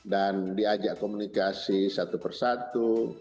dan diajak komunikasi satu persatu